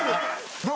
どう？